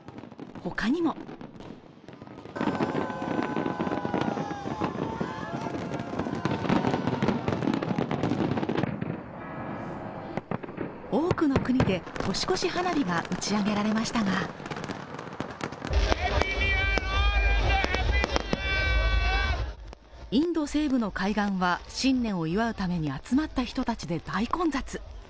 他にも多くの国で年越し花火が打ち上げられましたがインド西部の海岸は新年を祝うために集まった人たちで大混雑。